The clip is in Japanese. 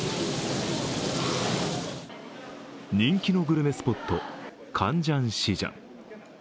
人気のグルメスポット、カンジャンシジャン。